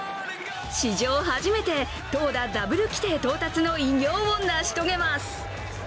史上初めて投打ダブル規定到達の偉業を成し遂げます。